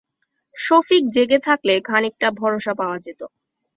সফিক জেগে থাকলে খানিকটা ভরসা পাওয়া যেত।